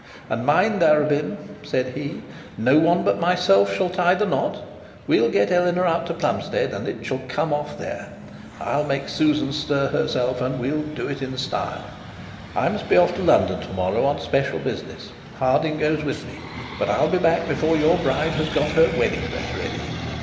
'And mind, Arabin,' said he, 'no one but myself shall tie the knot. We'll get Eleanor out to Plumstead, and it shall come off there. I'll make Susan stir herself, and we'll do it in style. I must be off to London to morrow on special business. Harding goes with me. But I'll be back before your bride has got her wedding dress ready.'